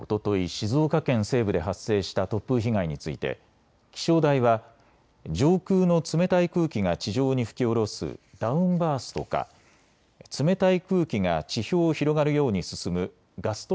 静岡県西部で発生した突風被害について気象台は上空の冷たい空気が地上に吹き降ろすダウンバーストか冷たい空気が地表を広がるように進むガスト